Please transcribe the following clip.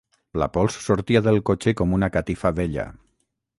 La pols sortia del cotxe com una catifa vella